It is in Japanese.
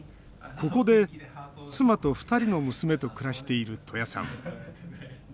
ここで、妻と２人の娘と暮らしている戸谷さん。